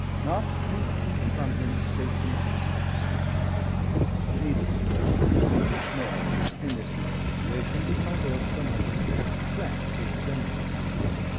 Not three feet from him sate the Master, stitching. Neither spoke; nor (in this new situation) did my lord so much as cast a glance at his enemy.